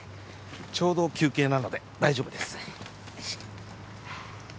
ちょうど休憩なので大丈夫です